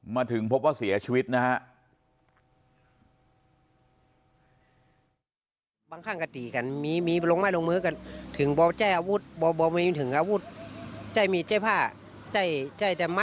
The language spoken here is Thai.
มาถึงพบว่าเสียชีวิตนะฮะ